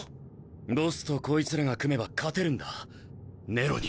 ボスとこいつらが組めば勝てるんだネロに。